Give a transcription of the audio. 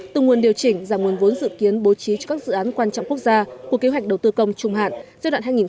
từ nguồn điều chỉnh và nguồn vốn dự kiến bố trí cho các dự án quan trọng quốc gia của kế hoạch đầu tư công trung hạn giai đoạn hai nghìn một mươi sáu hai nghìn hai mươi